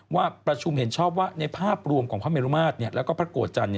ว่าประชุมเห็นชอบว่าในภาพรวมของพระเมรุมาตรแล้วก็พระโกรธจันทร์